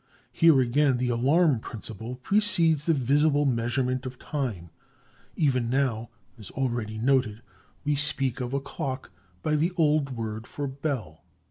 Here again, the alarm principle precedes the visible measurement of time; even now, as already noted, we speak of a "clock" by the old word for "bell."